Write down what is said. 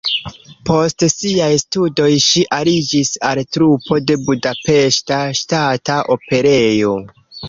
Post siaj studoj ŝi aliĝis al trupo de Budapeŝta Ŝtata Operejo.